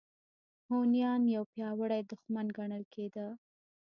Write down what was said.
هونیان یو پیاوړی دښمن ګڼل کېده.